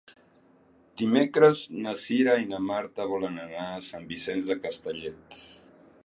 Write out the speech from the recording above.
Dimecres na Cira i na Marta volen anar a Sant Vicenç de Castellet.